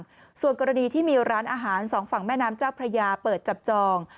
ส่วนกรณีที่มีร้านอาหารสองฝั่งแม่น้ำเจ้าพระยาเปิดจับจอง